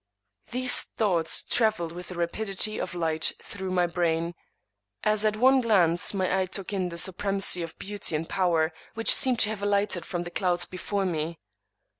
These thoughts traveled with the rapidity of light through my brain, as at one glance my eye took in the supremacy of beauty and power which seemed to have alighted from the clouds before me.